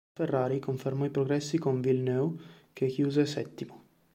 La Ferrari confermò i progressi con Villeneuve che chiuse settimo.